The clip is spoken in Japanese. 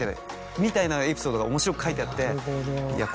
みたいなエピソードが面白く書いてあって。